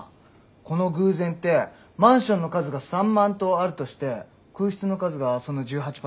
この偶然ってマンションの数が３万棟あるとして空室の数がその１８％ぐらい？